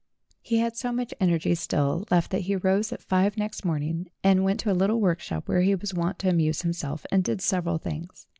He had so much energy still left that he rose at five next morning, and went to a little workshop where he was wont to amuse himself, and did several things.